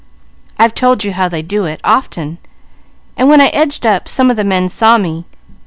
I've told you how they do it, often, and when I edged up some of the men saw me.